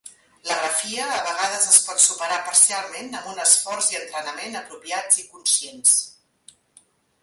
L'agrafia a vegades es pot superar parcialment amb un esforç i entrenament apropiats i conscients.